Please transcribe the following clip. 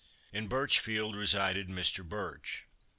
In Birch field resided Mr. Birch.